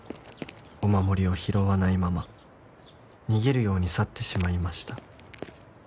「お守りを拾わないまま」「逃げるように去ってしまいました」